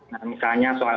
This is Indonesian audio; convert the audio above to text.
nah misalnya soal apel